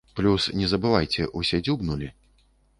Плюс, не забывайце, усе дзюбнулі.